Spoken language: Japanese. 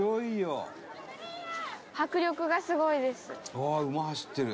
「うわあ馬走ってる。